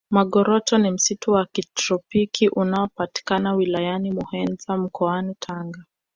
magoroto ni msitu wa kitropiki unapopatikana wilayani muheza mkoani tanga